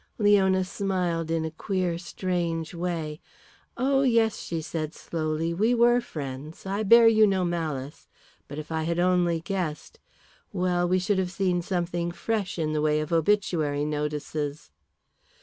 Leona smiled in a queer, strange way. "Oh, yes," she said slowly. "We were friends. I bear you no malice. But if I had only guessed well, we should have seen something fresh in the way of obituary notices."